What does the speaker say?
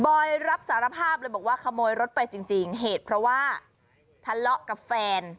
อยรับสารภาพเลยบอกว่าขโมยรถไปจริงเหตุเพราะว่าทะเลาะกับแฟน